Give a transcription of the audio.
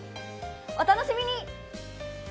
お楽しみに！